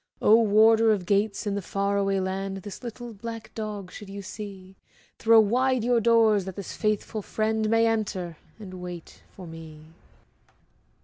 Oh, Warder of Gates, in the far away land, This little black dog should you see, Throw wide your doors that this faithful friend May enter, and wait for me.